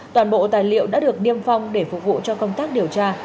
toàn bộ tài liệu đã được niêm phong để phục vụ cho công tác điều tra